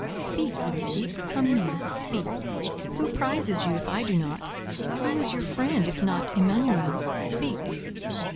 "Speak, Lucy; come near; speak. Who prizes you, if I do not? Who is your friend, if not Emanuel? Speak!"